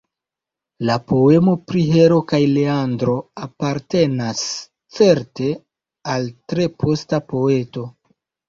La poemo pri Hero kaj Leandro apartenas certe al tre posta poeto.